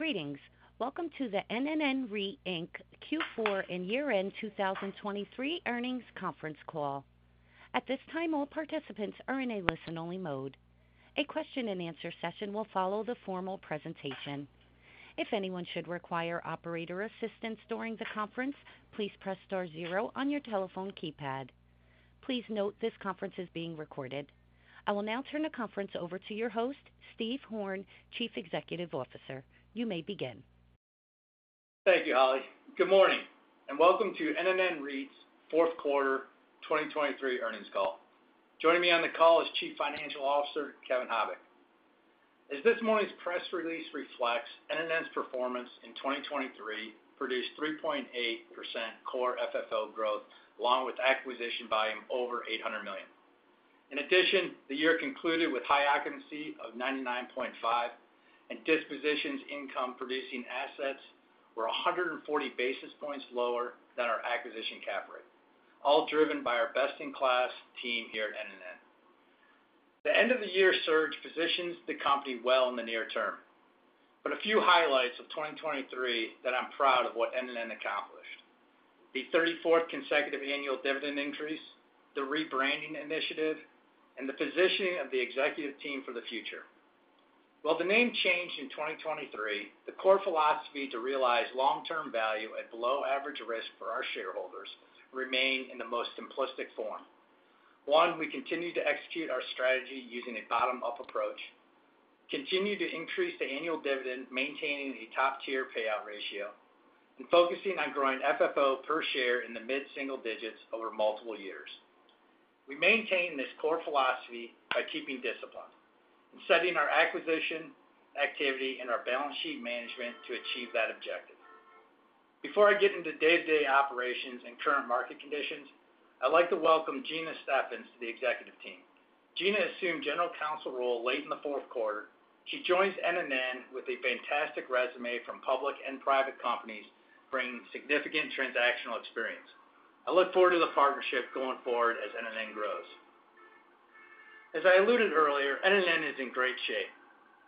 Greetings. Welcome to the NNN REIT, Inc Q4 and year-end 2023 earnings conference call. At this time, all participants are in a listen-only mode. A question and answer session will follow the formal presentation. If anyone should require operator assistance during the conference, please press star zero on your telephone keypad. Please note this conference is being recorded. I will now turn the conference over to your host, Steve Horn, Chief Executive Officer. You may begin. Thank you, Holly. Good morning, and welcome to NNN REIT's fourth quarter 2023 earnings call. Joining me on the call is Chief Financial Officer, Kevin Habicht. As this morning's press release reflects, NNN's performance in 2023 produced 3.8% Core FFO growth, along with acquisition volume over $800 million. In addition, the year concluded with high occupancy of 99.5%, and dispositions income-producing assets were 140 basis points lower than our acquisition cap rate, all driven by our best-in-class team here at NNN. The end of the year surge positions the company well in the near term, but a few highlights of 2023 that I'm proud of what NNN accomplished. The 34th consecutive annual dividend increase, the rebranding initiative, and the positioning of the executive team for the future. While the name changed in 2023, the core philosophy to realize long-term value at below average risk for our shareholders remain in the most simplistic form. One, we continue to execute our strategy using a bottom-up approach, continue to increase the annual dividend, maintaining a top-tier payout ratio, and focusing on growing FFO per share in the mid-single digits over multiple years. We maintain this core philosophy by keeping discipline and setting our acquisition activity and our balance sheet management to achieve that objective. Before I get into day-to-day operations and current market conditions, I'd like to welcome Gina Steffens to the executive team. Gina assumed General Counsel role late in the fourth quarter. She joins NNN with a fantastic resume from public and private companies, bringing significant transactional experience. I look forward to the partnership going forward as NNN grows. As I alluded earlier, NNN is in great shape.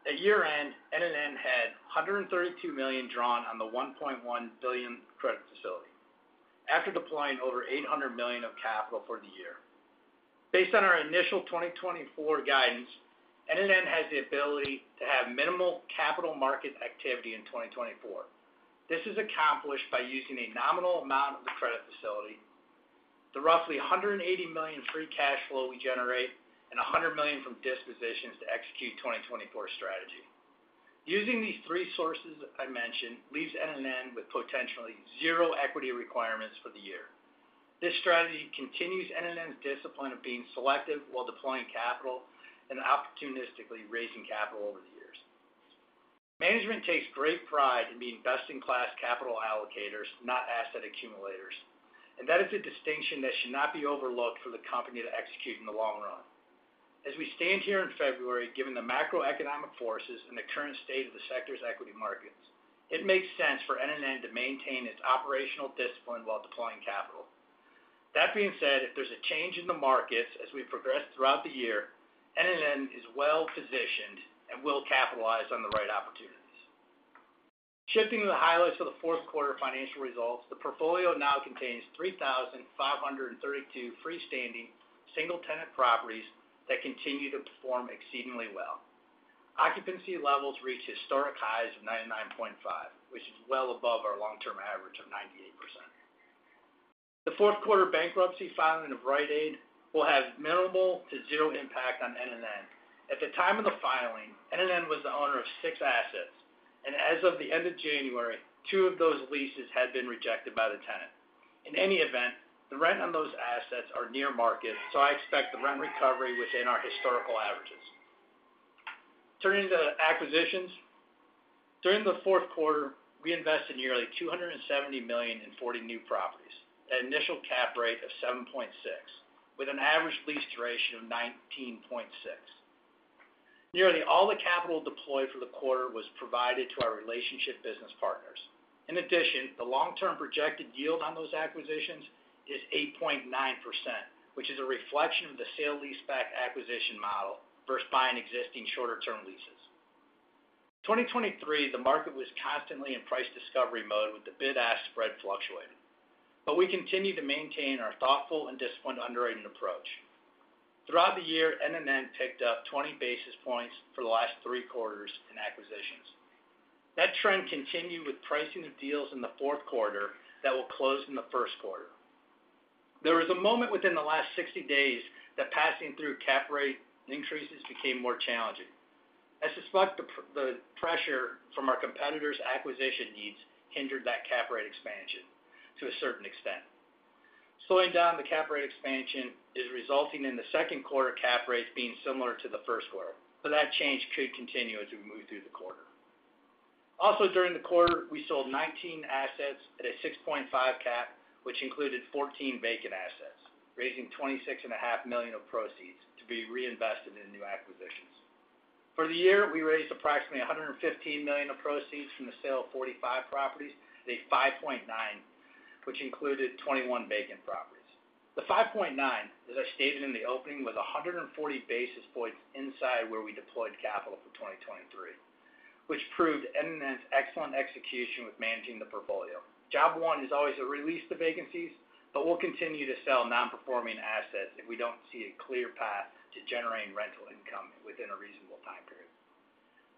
At year-end, NNN had $132 million drawn on the $1.1 billion credit facility after deploying over $800 million of capital for the year. Based on our initial 2024 guidance, NNN has the ability to have minimal capital market activity in 2024. This is accomplished by using a nominal amount of the credit facility, the roughly $180 million free cash flow we generate, and $100 million from dispositions to execute 2024 strategy. Using these three sources, I mentioned, leaves NNN with potentially zero equity requirements for the year. This strategy continues NNN's discipline of being selective while deploying capital and opportunistically raising capital over the years. Management takes great pride in being best-in-class capital allocators, not asset accumulators, and that is a distinction that should not be overlooked for the company to execute in the long run. As we stand here in February, given the macroeconomic forces and the current state of the sector's equity markets, it makes sense for NNN to maintain its operational discipline while deploying capital. That being said, if there's a change in the markets as we progress throughout the year, NNN is well-positioned and will capitalize on the right opportunities. Shifting to the highlights for the fourth quarter financial results, the portfolio now contains 3,052 freestanding single-tenant properties that continue to perform exceedingly well. Occupancy levels reach historic highs of 99.5, which is well above our long-term average of 98%. The fourth quarter bankruptcy filing of Rite Aid will have minimal to zero impact on NNN. At the time of the filing, NNN was the owner of six assets, and as of the end of January, two of those leases had been rejected by the tenant. In any event, the rent on those assets are near market, so I expect the rent recovery within our historical averages. Turning to acquisitions. During the fourth quarter, we invested nearly $270 million in 40 new properties at an initial cap rate of 7.6%, with an average lease duration of 19.6. Nearly all the capital deployed for the quarter was provided to our relationship business partners. In addition, the long-term projected yield on those acquisitions is 8.9%, which is a reflection of the sale-leaseback acquisition model versus buying existing shorter-term leases. 2023, the market was constantly in price discovery mode, with the bid-ask spread fluctuating, but we continued to maintain our thoughtful and disciplined underwriting approach. Throughout the year, NNN picked up 20 basis points for the last three quarters in acquisitions. That trend continued with pricing of deals in the fourth quarter that will close in the first quarter. There was a moment within the last 60 days that passing through cap rate increases became more challenging. I suspect the pressure from our competitors' acquisition needs hindered that cap rate expansion to a certain extent. Slowing down the cap rate expansion is resulting in the second quarter cap rates being similar to the first quarter, so that change could continue as we move through the quarter. Also, during the quarter, we sold 19 assets at a 6.5 cap, which included 14 vacant assets, raising $26.5 million of proceeds to be reinvested in new acquisitions. For the year, we raised approximately $115 million of proceeds from the sale of 45 properties at a 5.9, which included 21 vacant properties. The 5.9, as I stated in the opening, was 140 basis points inside where we deployed capital for 2023, which proved NNN's excellent execution with managing the portfolio. Job one is always to re-lease the vacancies, but we'll continue to sell non-performing assets if we don't see a clear path to generating rental income within a reasonable time period.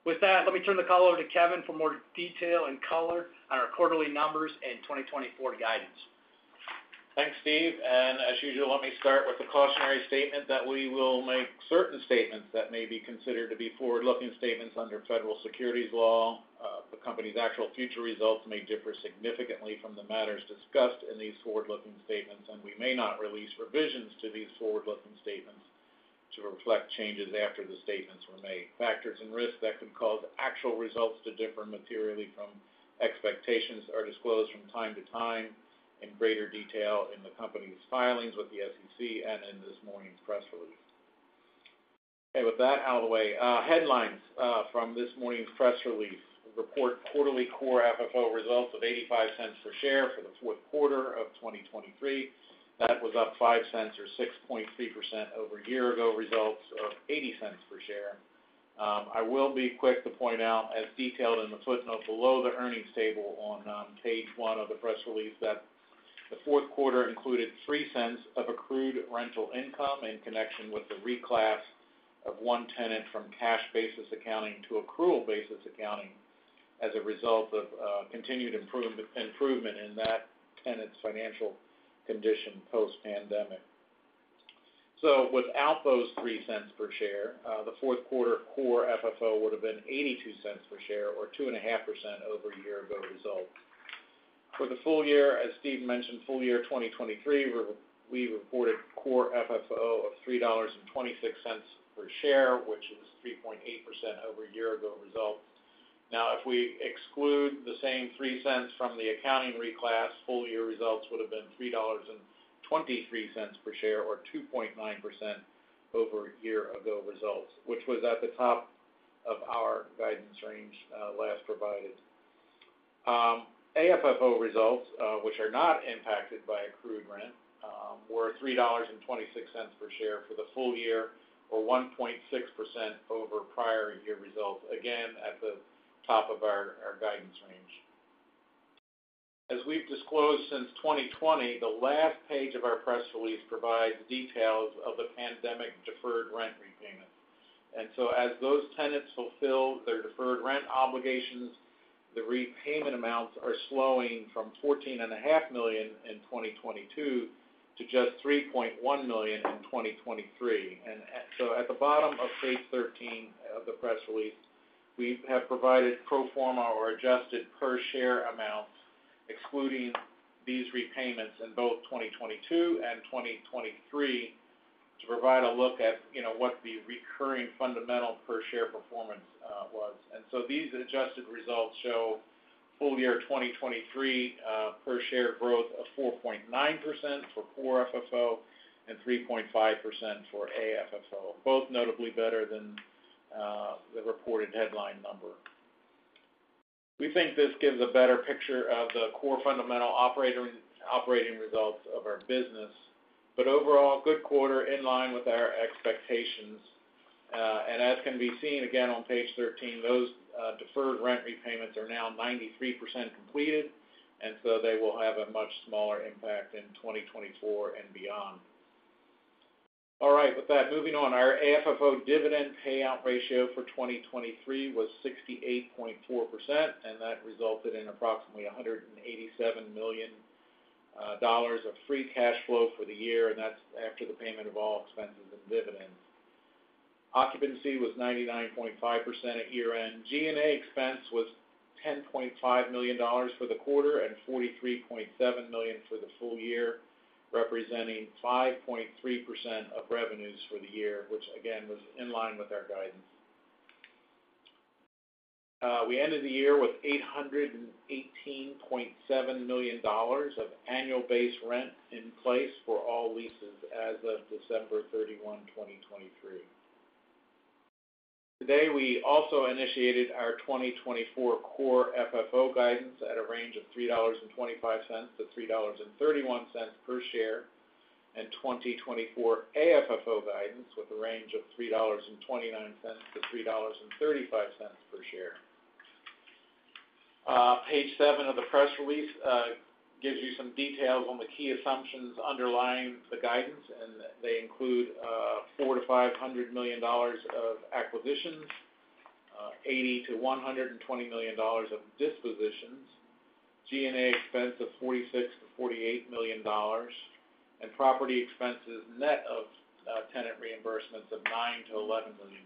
With that, let me turn the call over to Kevin for more detail and color on our quarterly numbers and 2024 guidance. Thanks, Steve. And as usual, let me start with the cautionary statement that we will make certain statements that may be considered to be forward-looking statements under Federal Securities law. The company's actual future results may differ significantly from the matters discussed in these forward-looking statements, and we may not release revisions to these forward-looking statements to reflect changes after the statements were made. Factors and risks that could cause actual results to differ materially from expectations are disclosed from time to time in greater detail in the company's filings with the SEC and in this morning's press release. Okay, with that out of the way, headlines from this morning's press release. Report quarterly Core FFO results of $0.85 per share for the fourth quarter of 2023. That was up $0.05 or 6.3% over year-ago results of $0.80 per share. I will be quick to point out, as detailed in the footnote below the earnings table on page one of the press release, that the fourth quarter included $0.03 of accrued rental income in connection with the reclass of one tenant from cash basis accounting to accrual basis accounting as a result of continued improvement in that tenant's financial condition post-pandemic. So without those $0.03 per share, the fourth quarter Core FFO would have been $0.82 per share or 2.5% over year-ago results. For the full year, as Steve mentioned, full year 2023, we reported Core FFO of $3.26 per share, which is 3.8% over year-ago results. Now, if we exclude the same $0.03 from the accounting reclass, full year results would have been $3.23 per share, or 2.9% over a year ago results, which was at the top of our guidance range, last provided. AFFO results, which are not impacted by accrued rent, were $3.26 per share for the full year, or 1.6% over prior year results. Again, at the top of our guidance range. As we've disclosed since 2020, the last page of our press release provides details of the pandemic deferred rent repayment. And so as those tenants fulfill their deferred rent obligations, the repayment amounts are slowing from $14.5 million in 2022 to just $3.1 million in 2023. So at the bottom of page 13 of the press release, we have provided pro forma or adjusted per share amounts, excluding these repayments in both 2022 and 2023, to provide a look at, you know, what the recurring fundamental per share performance was. These adjusted results show full year 2023 per share growth of 4.9% for Core FFO and 3.5% for AFFO, both notably better than the reported headline number. We think this gives a better picture of the Core fundamental operating results of our business, but overall, good quarter in line with our expectations. As can be seen again on page 13, those deferred rent repayments are now 93% completed, and so they will have a much smaller impact in 2024 and beyond. All right. With that, moving on. Our AFFO dividend payout ratio for 2023 was 68.4%, and that resulted in approximately $187 million of free cash flow for the year, and that's after the payment of all expenses and dividends. Occupancy was 99.5% at year-end. G&A expense was $10.5 million for the quarter and $43.7 million for the full year, representing 5.3% of revenues for the year, which again, was in line with our guidance. We ended the year with $818.7 million of annual base rent in place for all leases as of December 31, 2023. Today, we also initiated our 2024 Core FFO guidance at a range of $3.25-$3.31 per share, and 2024 AFFO guidance with a range of $3.29-$3.35 per share. Page seven of the press release gives you some details on the key assumptions underlying the guidance, and they include $400 million-$500 million of acquisitions, $80 million-$120 million of dispositions, G&A expense of $46 million-$48 million, and property expenses net of tenant reimbursements of $9 million-$11 million.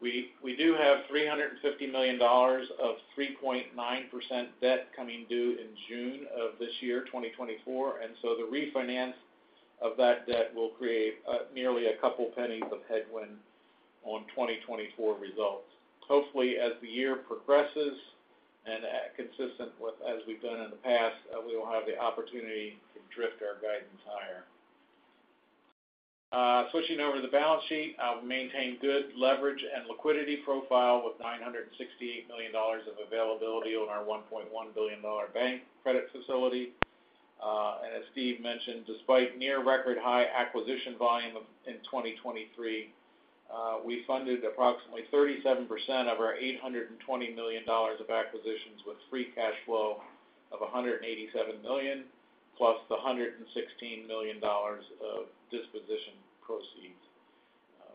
We do have $350 million of 3.9% debt coming due in June of this year, 2024, and so the refinance of that debt will create nearly a couple pennies of headwind on 2024 results. Hopefully, as the year progresses, and consistent with as we've done in the past, we will have the opportunity to drift our guidance higher. Switching over to the balance sheet, we maintain good leverage and liquidity profile with $968 million of availability on our $1.1 billion bank credit facility. And as Steve mentioned, despite near record-high acquisition volume of in 2023, we funded approximately 37% of our $820 million of acquisitions, with free cash flow of $187 million, plus the $116 million of disposition proceeds.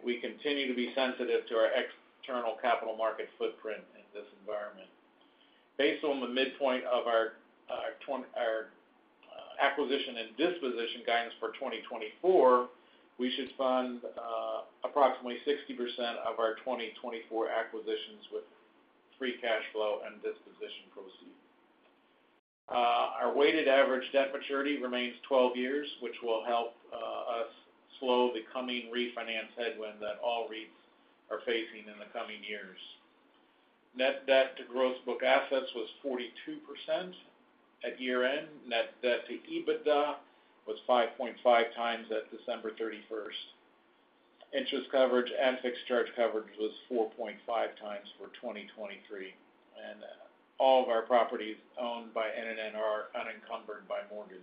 We continue to be sensitive to our external capital market footprint in this environment. Based on the midpoint of our acquisition and disposition guidance for 2024, we should fund approximately 60% of our 2024 acquisitions with free cash flow and disposition proceeds. Our weighted average debt maturity remains 12 years, which will help us slow the coming refinance headwind that all REITs are facing in the coming years. Net debt to gross book assets was 42% at year-end. Net debt to EBITDA was 5.5x at December 31st. Interest coverage and fixed charge coverage was 4.5x for 2023, and all of our properties owned by NNN are unencumbered by mortgages.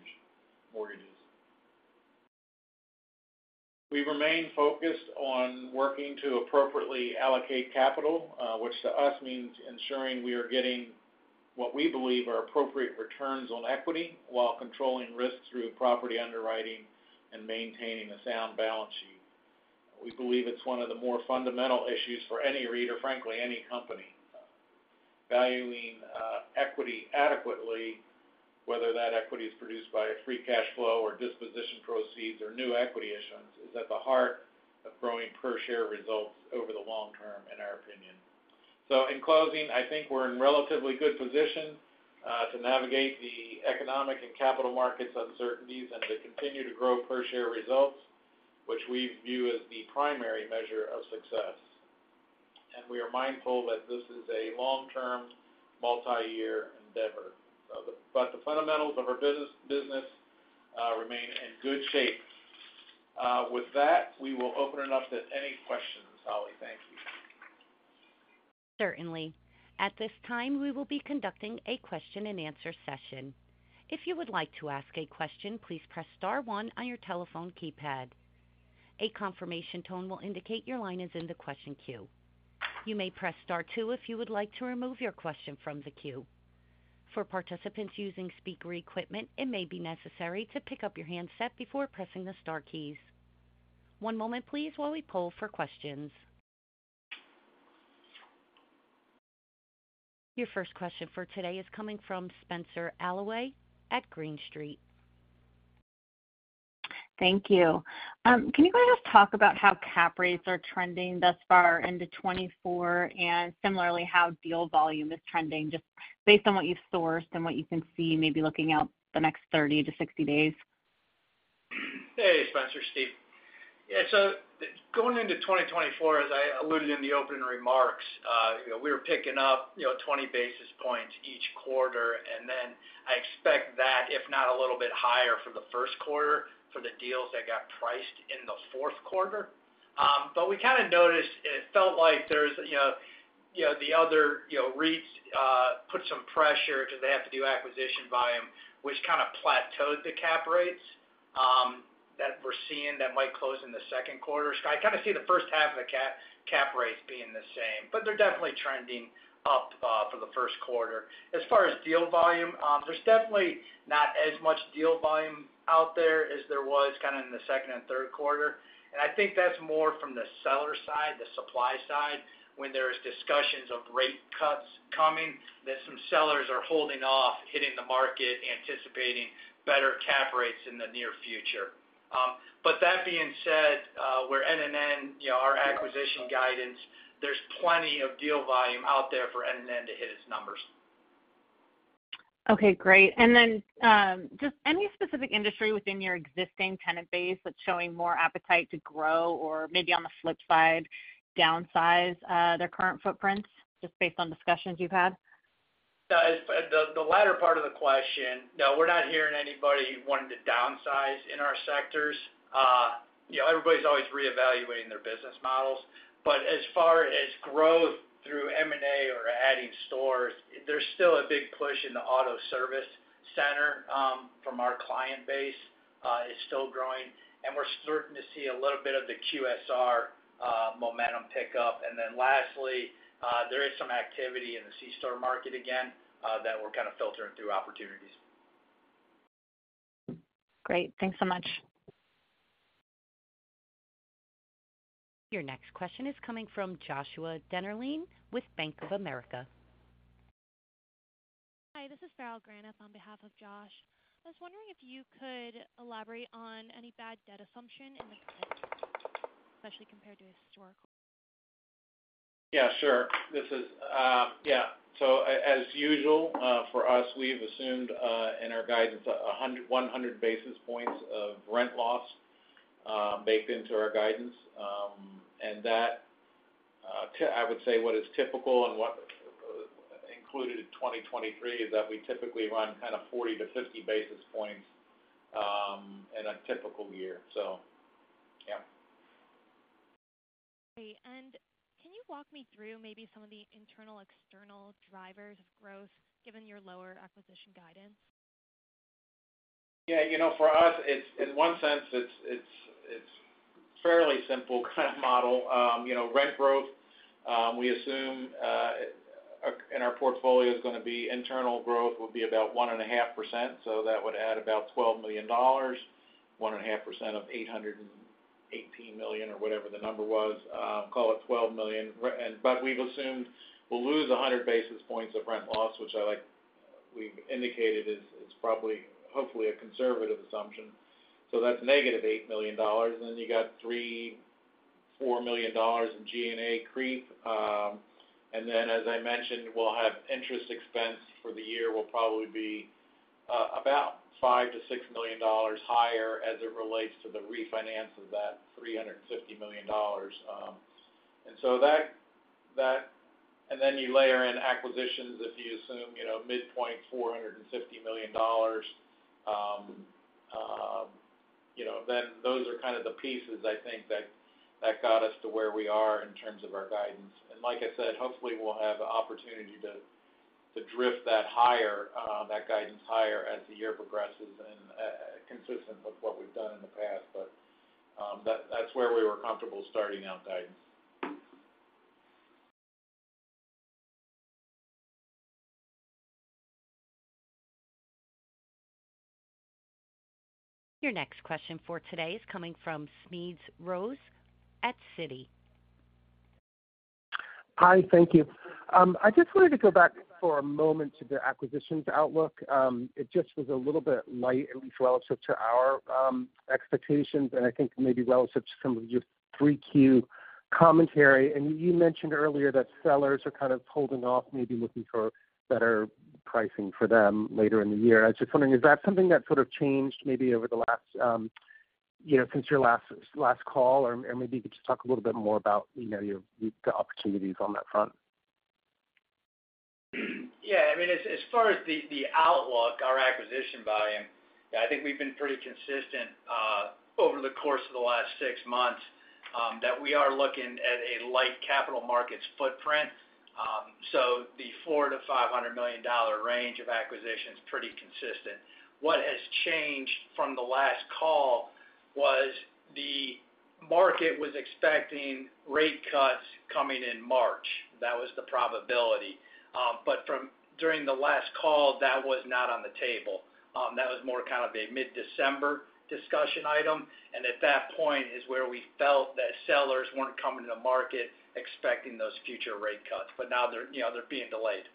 We remain focused on working to appropriately allocate capital, which to us means ensuring we are getting what we believe are appropriate returns on equity, while controlling risks through property underwriting and maintaining a sound balance sheet. We believe it's one of the more fundamental issues for any REIT or, frankly, any company. Valuing equity adequately, whether that equity is produced by free cash flow or disposition proceeds or new equity issuance, is at the heart of growing per share results over the long term, in our opinion. So in closing, I think we're in relatively good position to navigate the economic and capital markets uncertainties and to continue to grow per share results, which we view as the primary measure of success. We are mindful that this is a long-term, multi-year endeavor. But the fundamentals of our business remain in good shape. With that, we will open it up to any questions. Holly, thank you. Certainly. At this time, we will be conducting a question-and-answer session. If you would like to ask a question, please press star one on your telephone keypad. A confirmation tone will indicate your line is in the question queue. You may press star two if you would like to remove your question from the queue. For participants using speaker equipment, it may be necessary to pick up your handset before pressing the star keys. One moment please, while we poll for questions. Your first question for today is coming from Spenser Allaway at Green Street. Thank you. Can you guys talk about how cap rates are trending thus far into 2024, and similarly, how deal volume is trending, just based on what you've sourced and what you can see, maybe looking out the next 30-60 days? Hey, Spenser, Steve. Yeah, so going into 2024, as I alluded in the opening remarks, you know, we were picking up, you know, 20 basis points each quarter, and then I expect that, if not a little bit higher for the first quarter, for the deals that got priced in the fourth quarter. But we kind of noticed it felt like there's, you know, you know, the other, you know, REITs put some pressure because they have to do acquisition volume, which kind of plateaued the cap rates that we're seeing that might close in the second quarter. So I kind of see the first half of the cap rates being the same, but they're definitely trending up for the first quarter. As far as deal volume, there's definitely not as much deal volume out there as there was kind of in the second and third quarter, and I think that's more from the seller side, the supply side, when there's discussions of rate cuts coming, that some sellers are holding off hitting the market, anticipating better cap rates in the near future. But that being said, we're NNN, you know, our acquisition guidance, there's plenty of deal volume out there for NNN to hit its numbers. Okay, great. And then, does any specific industry within your existing tenant base that's showing more appetite to grow or maybe on the flip side, downsize, their current footprints, just based on discussions you've had? The latter part of the question, no, we're not hearing anybody wanting to downsize in our sectors. You know, everybody's always reevaluating their business models, but as far as growth through M&A or adding stores, there's still a big push in the auto service center from our client base is still growing, and we're starting to see a little bit of the QSR momentum pick up. And then lastly, there is some activity in the c-store market again that we're kind of filtering through opportunities. Great. Thanks so much. Your next question is coming from Joshua Dennerlein with Bank of America. Hi, this is Farrell Granath on behalf of Josh. I was wondering if you could elaborate on any bad debt assumption in, especially compared to historical? Yeah, sure. Yeah, so as usual, for us, we've assumed in our guidance, 100 basis points of rent loss baked into our guidance. And that, I would say what is typical and what included in 2023 is that we typically run kind of 40-50 basis points in a typical year. So, yeah. Great. Can you walk me through maybe some of the internal, external drivers of growth, given your lower acquisition guidance? Yeah, you know, for us, it's, in one sense, it's fairly simple kind of model. You know, rent growth, we assume, in our portfolio is gonna be internal growth, will be about 1.5%, so that would add about $12 million. 1.5% of $818 million, or whatever the number was, call it $12 million. And, but we've assumed we'll lose 100 basis points of rent loss, which I like. We've indicated is probably, hopefully, a conservative assumption. So that's -$8 million. And then you got $3 million-$4 million in G&A creep. And then, as I mentioned, we'll have interest expense for the year will probably be about $5 million-$6 million higher as it relates to the refinance of that $350 million. And so that. And then you layer in acquisitions, if you assume, you know, midpoint, $450 million, you know, then those are kind of the pieces, I think, that got us to where we are in terms of our guidance. And like I said, hopefully, we'll have the opportunity to drift that higher, that guidance higher as the year progresses and consistent with what we've done in the past. But that's where we were comfortable starting out guidance. Your next question for today is coming from Smedes Rose at Citi. Hi, thank you. I just wanted to go back for a moment to the acquisitions outlook. It just was a little bit light, at least relative to our expectations, and I think maybe relative to some of your 3Q commentary. You mentioned earlier that sellers are kind of holding off, maybe looking for better pricing for them later in the year. I was just wondering, is that something that sort of changed maybe over the last, you know, since your last, last call? Or, and maybe you could just talk a little bit more about, you know, your the opportunities on that front. Yeah, I mean, as far as the outlook, our acquisition volume, I think we've been pretty consistent over the course of the last six months that we are looking at a light capital markets footprint. So the $400 million-$500 million range of acquisition is pretty consistent. What has changed from the last call was the market was expecting rate cuts coming in March. That was the probability. But from during the last call, that was not on the table. That was more kind of a mid-December discussion item, and at that point is where we felt that sellers weren't coming to the market expecting those future rate cuts. But now they're, you know, they're being delayed.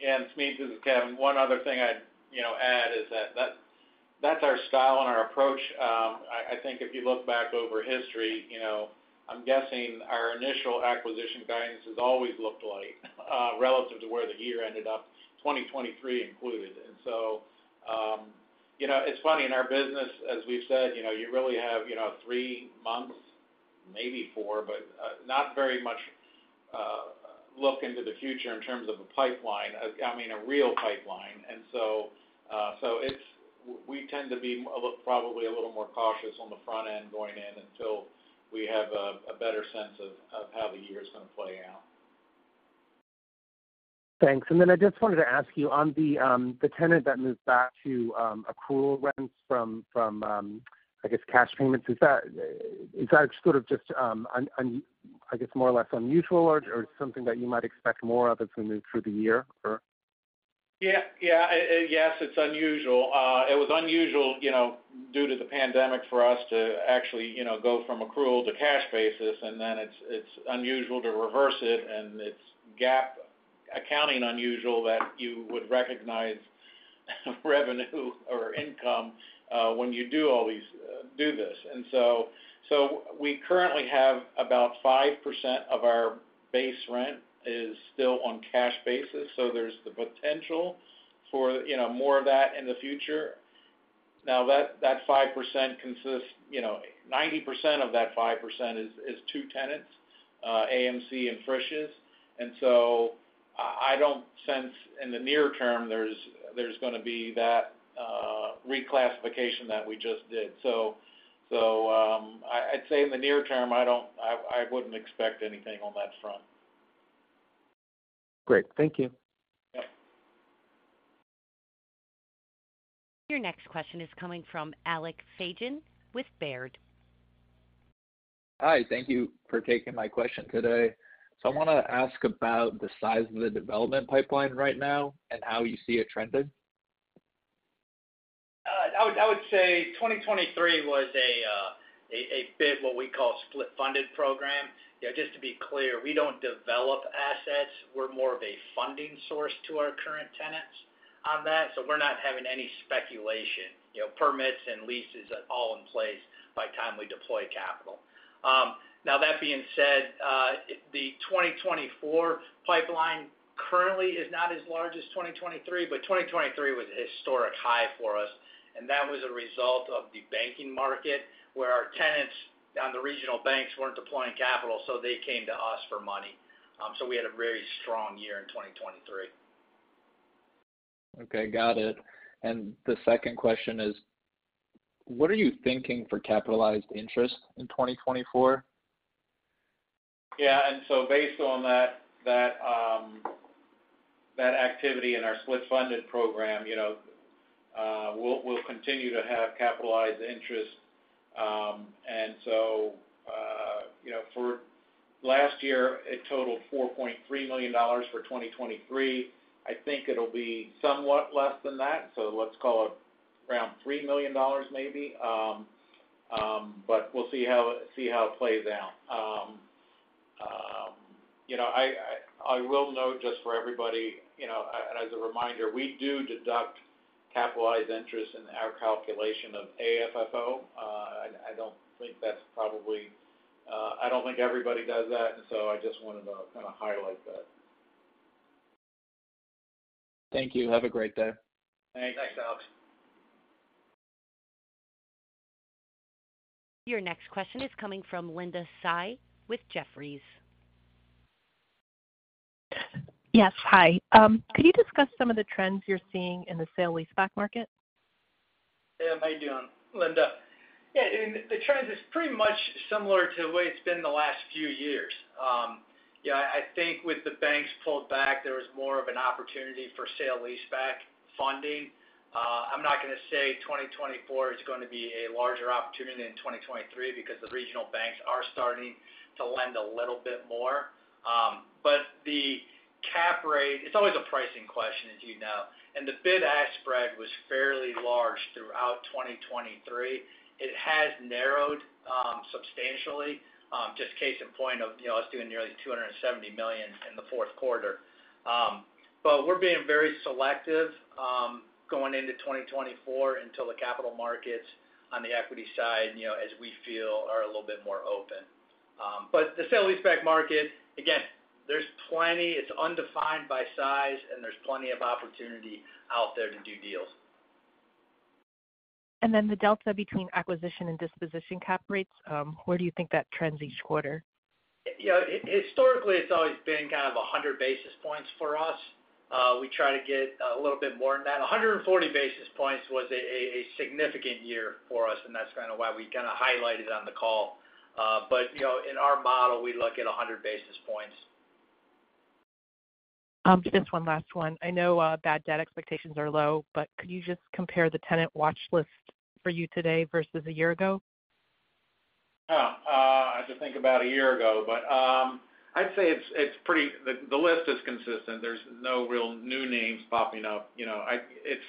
Smedes, this is Kevin. One other thing I'd, you know, add is that, that's our style and our approach. I think if you look back over history, you know, I'm guessing our initial acquisition guidance has always looked like relative to where the year ended up, 2023 included. And so, you know, it's funny, in our business, as we've said, you know, you really have, you know, three months, maybe four, but not very much look into the future in terms of a pipeline, I mean, a real pipeline. And so, so it's. We tend to be a little, probably a little more cautious on the front end going in, until we have a better sense of how the year is gonna play out. Thanks. And then I just wanted to ask you on the tenant that moved back to accrual rents from cash payments. Is that sort of just more or less unusual, or something that you might expect more of as we move through the year? Yeah, yeah, yes, it's unusual. It was unusual, you know, due to the pandemic, for us to actually, you know, go from accrual to cash basis, and then it's unusual to reverse it, and it's GAAP accounting unusual that you would recognize revenue or income when you do this. And so we currently have about 5% of our base rent is still on cash basis, so there's the potential for, you know, more of that in the future. Now, that 5% consists, you know, 90% of that 5% is two tenants, AMC and Frisch's. And so I don't sense in the near term there's gonna be that reclassification that we just did. I'd say in the near term, I wouldn't expect anything on that front. Great. Thank you. Yeah. Your next question is coming from Alec Feygin with Baird. Hi, thank you for taking my question today. So I wanna ask about the size of the development pipeline right now and how you see it trending. I would, I would say 2023 was a, a bit what we call split-funded program. You know, just to be clear, we don't develop assets. We're more of a funding source to our current tenants on that, so we're not having any speculation, you know, permits and leases are all in place by the time we deploy capital. Now, that being said, the 2024 pipeline currently is not as large as 2023, but 2023 was a historic high for us, and that was a result of the banking market, where our tenants on the regional banks weren't deploying capital, so they came to us for money. So we had a very strong year in 2023. Okay, got it. And the second question is, what are you thinking for capitalized interest in 2024? Yeah, and so based on that, that activity in our split-funded program, you know, we'll continue to have capitalized interest. And so, you know, for last year, it totaled $4.3 million for 2023. I think it'll be somewhat less than that, so let's call it around $3 million maybe. But we'll see how it plays out. You know, I will note just for everybody, you know, as a reminder, we do deduct capitalized interest in our calculation of AFFO. I don't think that's probably, I don't think everybody does that, and so I just wanted to kind of highlight that. Thank you. Have a great day. Thanks. Thanks, Alec. Your next question is coming from Linda Tsai with Jefferies. Yes, hi. Could you discuss some of the trends you're seeing in the sale-leaseback market? Yeah, how you doing, Linda? Yeah, and the trend is pretty much similar to the way it's been the last few years. Yeah, I think with the banks pulled back, there was more of an opportunity for sale-leaseback funding. I'm not gonna say 2024 is gonna be a larger opportunity than 2023 because the regional banks are starting to lend a little bit more. But the cap rate, it's always a pricing question, as you know, and the bid-ask spread was fairly large throughout 2023. It has narrowed substantially, just case in point of, you know, us doing nearly $270 million in the fourth quarter. But we're being very selective going into 2024 until the capital markets on the equity side, you know, as we feel are a little bit more open. But the Sale-Leaseback market, again, there's plenty, it's undefined by size, and there's plenty of opportunity out there to do deals. The delta between acquisition and disposition cap rates, where do you think that trends each quarter? You know, historically, it's always been kind of 100 basis points for us. We try to get a little bit more than that. 140 basis points was a significant year for us, and that's kind of why we kind of highlighted on the call. But, you know, in our model, we look at 100 basis points. Just one last one. I know, bad debt expectations are low, but could you just compare the tenant watch list for you today versus a year ago? Yeah, I have to think about a year ago, but, I'd say it's, it's pretty, the, the list is consistent. There's no real new names popping up. You know, I, it's,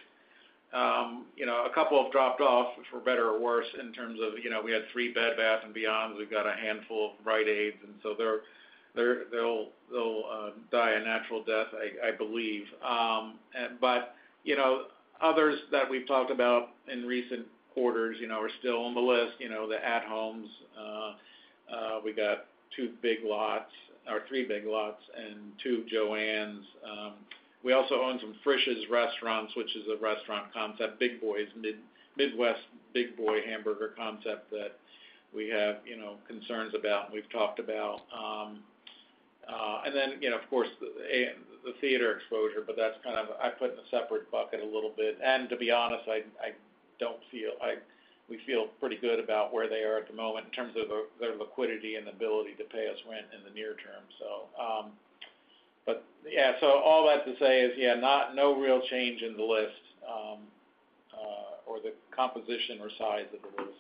you know, a couple have dropped off, for better or worse, in terms of, you know, we had three Bed Bath & Beyond. We've got a handful of Rite Aid, and so they're, they're, they'll, they'll, die a natural death, I, I believe. But, you know, others that we've talked about in recent quarters, you know, are still on the list, you know, the At Homes. We got two Big Lots or three Big Lots and two JOANNs. We also own some Frisch's Restaurants, which is a restaurant concept, Big Boys, Midwest Big Boy hamburger concept that we have, you know, concerns about, and we've talked about. And then, you know, of course, the theater exposure, but that's kind of, I put in a separate bucket a little bit. And to be honest, we feel pretty good about where they are at the moment in terms of their liquidity and the ability to pay us rent in the near term. So, but yeah, so all that to say is, yeah, no real change in the list, or the composition or size of the list.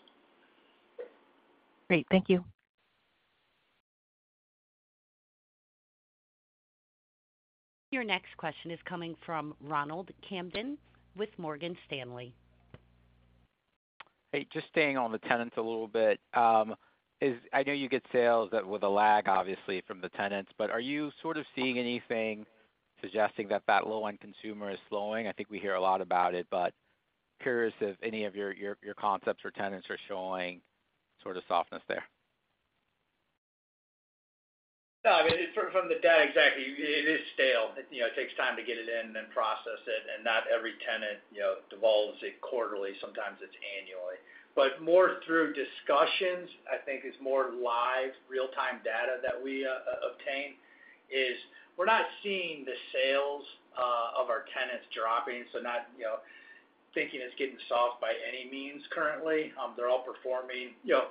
Great. Thank you. Your next question is coming from Ronald Kamden with Morgan Stanley. Hey, just staying on the tenants a little bit. I know you get sales that with a lag, obviously, from the tenants, but are you sort of seeing anything suggesting that that low-end consumer is slowing? I think we hear a lot about it, but curious if any of your concepts or tenants are showing sort of softness there. No, I mean, from the data, exactly, it is stale. You know, it takes time to get it in and then process it, and not every tenant, you know, divulges it quarterly, sometimes it's annually. But more through discussions, I think it's more live, real-time data that we obtain, is we're not seeing the sales of our tenants dropping, so not, you know, thinking it's getting soft by any means currently. They're all performing. You know,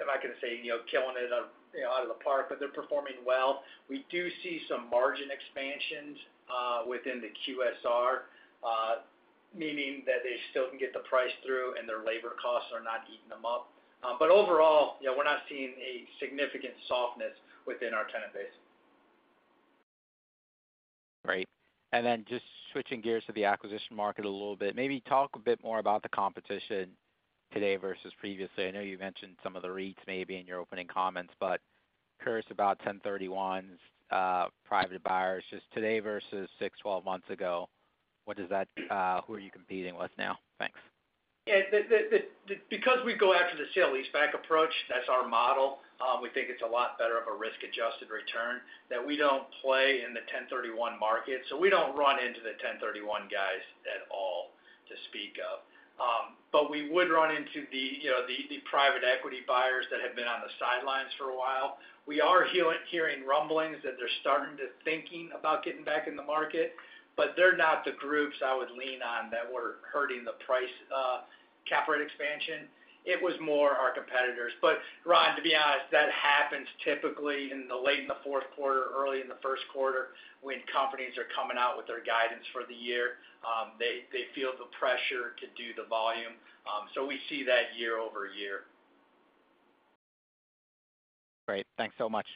I'm not gonna say, you know, killing it, you know, out of the park, but they're performing well. We do see some margin expansions within the QSR, meaning that they still can get the price through and their labor costs are not eating them up. But overall, you know, we're not seeing a significant softness within our tenant base. Great. And then just switching gears to the acquisition market a little bit, maybe talk a bit more about the competition today versus previously. I know you mentioned some of the REITs maybe in your opening comments, but curious about 1031s, private buyers, just today versus 6, 12 months ago, what does that, who are you competing with now? Thanks. Because we go after the sale-leaseback approach, that's our model, we think it's a lot better of a risk-adjusted return, that we don't play in the 1031 market, so we don't run into the 1031 guys at all to speak of. But we would run into the, you know, the private equity buyers that have been on the sidelines for a while. We are hearing rumblings that they're starting to think about getting back in the market, but they're not the groups I would lean on that were hurting the price, cap rate expansion. It was more our competitors. But Ron, to be honest, that happens typically in the late in the fourth quarter, early in the first quarter, when companies are coming out with their guidance for the year. They feel the pressure to do the volume. So we see that year-over-year. Great. Thanks so much.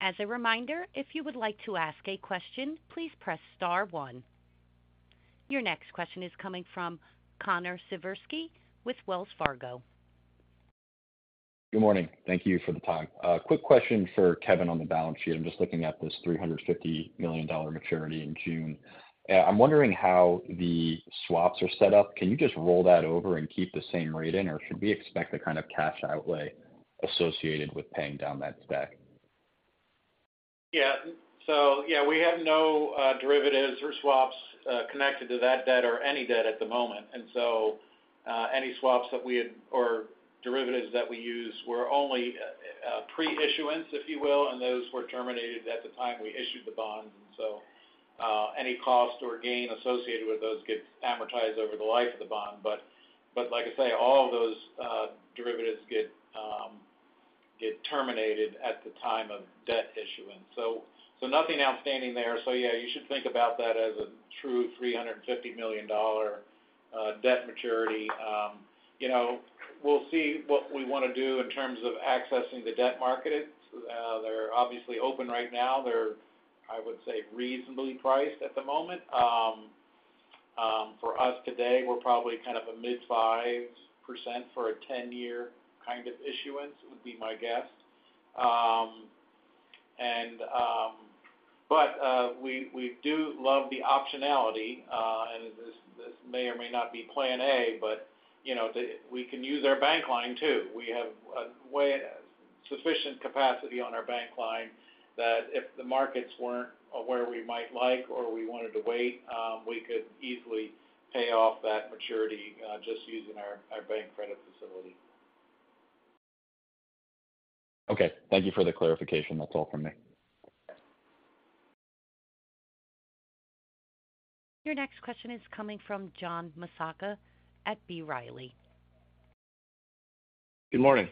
As a reminder, if you would like to ask a question, please press star one. Your next question is coming from Connor Siverski with Wells Fargo. Good morning. Thank you for the time. Quick question for Kevin on the balance sheet. I'm just looking at this $350 million maturity in June. I'm wondering how the swaps are set up. Can you just roll that over and keep the same rate in, or should we expect a kind of cash outlay associated with paying down that debt? Yeah. So yeah, we have no derivatives or swaps connected to that debt or any debt at the moment. And so, any swaps that we had or derivatives that we use were only pre-issuance, if you will, and those were terminated at the time we issued the bond. So, any cost or gain associated with those gets amortized over the life of the bond. But, but like I say, all of those derivatives get terminated at the time of debt issuance. So, so nothing outstanding there. So yeah, you should think about that as a true $350 million debt maturity. You know, we'll see what we wanna do in terms of accessing the debt market. They're obviously open right now. They're, I would say, reasonably priced at the moment. For us today, we're probably kind of a mid-5% for a 10-year kind of issuance, would be my guess. We do love the optionality, and this may or may not be plan A, but, you know, we can use our bank line, too. We have sufficient capacity on our bank line, that if the markets weren't where we might like or we wanted to wait, we could easily pay off that maturity, just using our bank credit facility. Okay, thank you for the clarification. That's all from me. Your next question is coming from John Massocca at B. Riley. Good morning.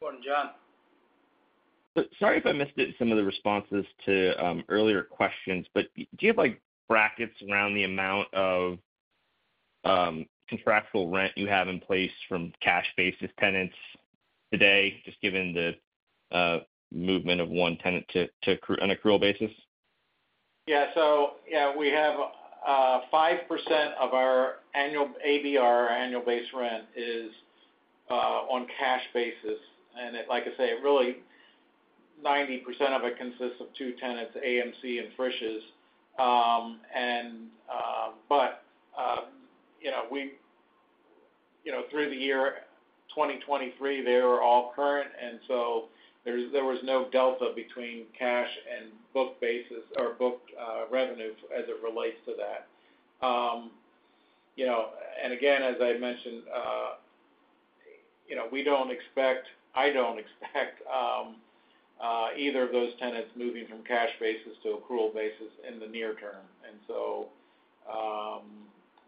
Good morning, John. Sorry if I missed it in some of the responses to earlier questions, but do you have, like, brackets around the amount of contractual rent you have in place from cash-basis tenants today, just given the movement of one tenant to on accrual basis? Yeah. So yeah, we have 5% of our annual ABR, annual base rent, on cash basis, and like I say, really 90% of it consists of two tenants, AMC and Frisch's. And, but, you know, we, you know, through the year 2023, they were all current, and so there was no delta between cash and book basis or booked revenue as it relates to that. You know, and again, as I mentioned, you know, we don't expect, I don't expect either of those tenants moving from cash basis to accrual basis in the near term, and so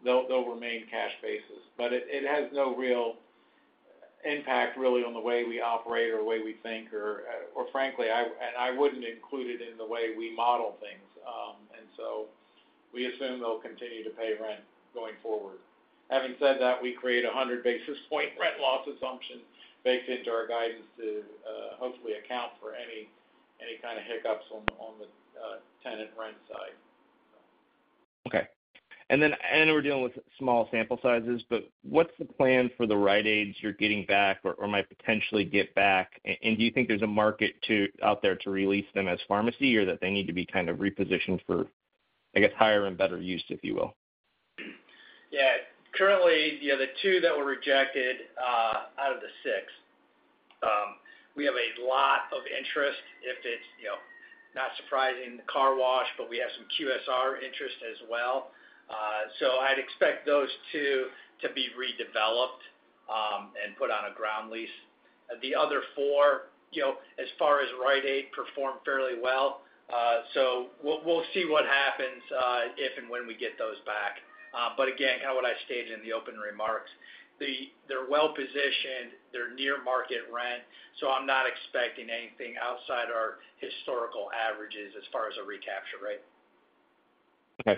they'll remain cash basis. But it, it has no real impact, really, on the way we operate or the way we think, or, or frankly, I, and I wouldn't include it in the way we model things. And so we assume they'll continue to pay rent going forward. Having said that, we create a 100-basis point rent loss assumption baked into our guidance to hopefully account for any, any kind of hiccups on the, on the tenant rent side. Okay. And then, I know we're dealing with small sample sizes, but what's the plan for the Rite Aids you're getting back or might potentially get back? And do you think there's a market out there to re-lease them as pharmacy, or that they need to be kind of repositioned for, I guess, higher and better use, if you will? Yeah. Currently, yeah, the two that were rejected out of the six, we have a lot of interest. If it's, you know, not surprising, the car wash, but we have some QSR interest as well. So I'd expect those two to be redeveloped and put on a ground lease. The other four, you know, as far as Rite Aid, performed fairly well. So we'll see what happens if and when we get those back. But again, kind of what I stated in the open remarks, they're well-positioned, they're near market rent, so I'm not expecting anything outside our historical averages as far as a recapture rate. Okay.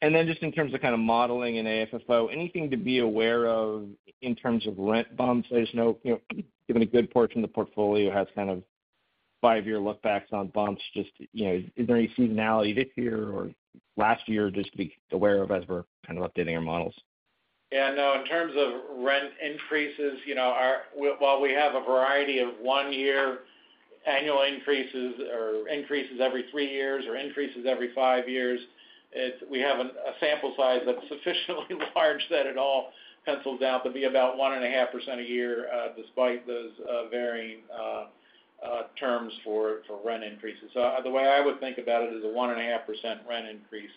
And then just in terms of kind of modeling and AFFO, anything to be aware of in terms of rent bumps? I just know, you know, given a good portion of the portfolio has kind of five-year lookbacks on bumps, just, you know, is there any seasonality this year or last year just to be aware of as we're kind of updating our models? Yeah, no, in terms of rent increases, you know, our. While we have a variety of one-year annual increases or increases every three years or increases every five years, it's, we have a sample size that's sufficiently large, that it all pencils out to be about 1.5% a year, despite those varying terms for rent increases. So the way I would think about it is a 1.5% rent increase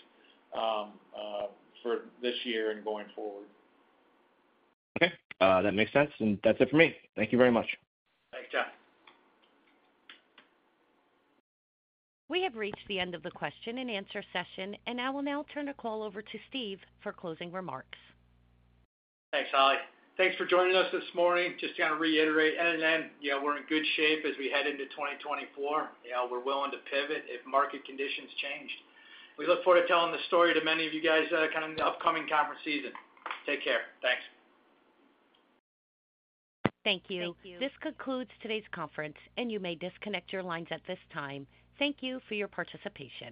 for this year and going forward. Okay, that makes sense, and that's it for me. Thank you very much. Thanks, John. We have reached the end of the question-and-answer session, and I will now turn the call over to Steve for closing remarks. Thanks, Holly. Thanks for joining us this morning. Just to reiterate, NNN, yeah, we're in good shape as we head into 2024. Yeah, we're willing to pivot if market conditions change. We look forward to telling the story to many of you guys, kind of in the upcoming conference season. Take care. Thanks. Thank you. This concludes today's conference, and you may disconnect your lines at this time. Thank you for your participation.